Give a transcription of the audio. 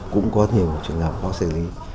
cũng có nhiều trường hợp khó xử lý